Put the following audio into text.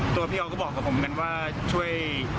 พี่เขาก็บอกกับผมกันว่าช่วย